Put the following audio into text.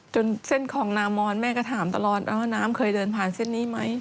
เส้นคลองนามอนแม่ก็ถามตลอดว่าน้ำเคยเดินผ่านเส้นนี้ไหม